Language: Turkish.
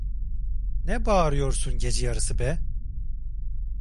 Ne bağırıyorsun gece yarısı be!